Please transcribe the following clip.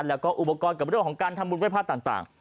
แล้วก็อุปกรณ์กับเรื่องของการทำบุญไว้พระต่าง